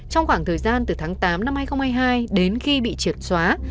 trong khoảng thời gian từ tháng tám năm hai nghìn hai mươi hai đến khi bị triệt xóa